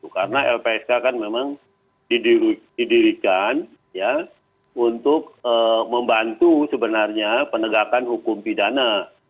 karena lpsk kan memang didirikan untuk membantu sebenarnya penegakan hukum pidana